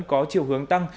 vẫn có chiều hướng tăng